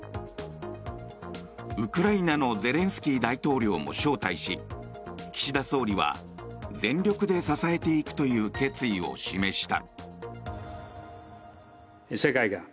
ウクライナのゼレンスキー大統領も招待し岸田総理は全力で支えていくという決意を示した。